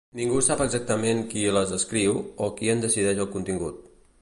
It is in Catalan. Ningú sap exactament qui les escriu o qui en decideix el contingut.